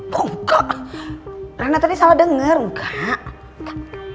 bungkak rana tadi salah denger mbak